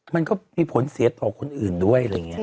มันก็มีผลเสียต่อคนอื่นด้วย